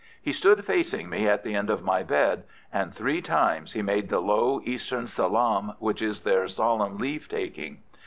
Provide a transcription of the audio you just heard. He stood facing me at the end of my bed, and three times he made the low Eastern salaam which is their solemn leave taking.